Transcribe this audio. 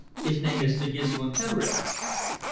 His name is Sigismund Henriote."